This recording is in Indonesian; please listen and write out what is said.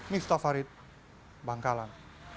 miftah farid bangkalan